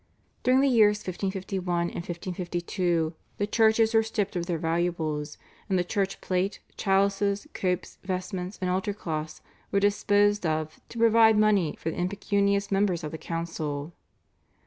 During the years 1551 and 1552 the churches were stripped of their valuables, and the church plate, chalices, copes, vestments, and altar cloths, were disposed of to provide money for the impecunious members of the council.